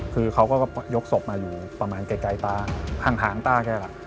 คือเขาก็ยกศพมาอยู่ประมาณไกลตาห่างตาแกล่ะ